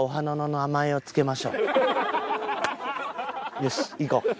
よし行こう。